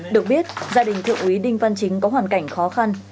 được biết gia đình thượng úy đinh văn chính có hoàn cảnh khó khăn